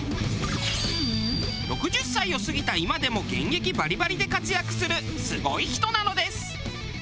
６０歳を過ぎた今でも現役バリバリで活躍するすごい人なのです。